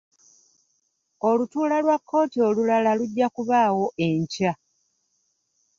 Olutuula lwa kkooti olulala lujja kubaawo enkya.